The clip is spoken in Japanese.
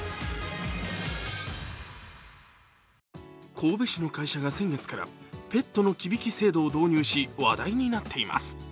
神戸市の会社が先月からペットの忌引制度を導入し、話題になっています。